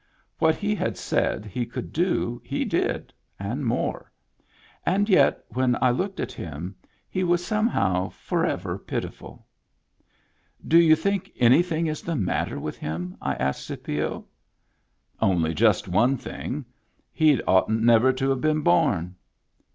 What he had said he could do, he did, and more. And yet, when I looked at him, he was somehow forever pitiful. "Do you think anything is the matter with him ?" I asked Scipio. *• Only just one thing. He'd oughtn't never to have been born."